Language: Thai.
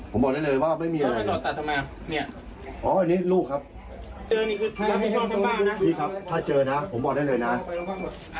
ผมบอกได้เลยว่าไม่มีอะไรอ๋อนี่ลูกครับพี่ครับถ้าเจอนะผมบอกได้เลยนะ